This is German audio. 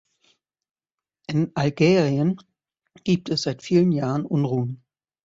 In Algerien gibt es seit vielen Jahren Unruhen.